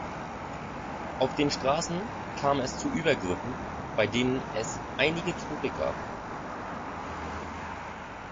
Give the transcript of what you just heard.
Auf den Straßen kam es zu Übergriffen, bei denen es einige Tote gab.